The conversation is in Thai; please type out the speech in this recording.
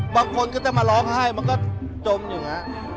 บางคนก็จะมาร้องไห้มันก็จมอยู่ไง